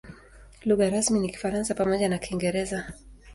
Lugha rasmi ni Kifaransa pamoja na Kiingereza.